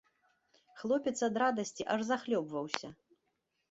Хлопец ад радасці аж захлёбваўся.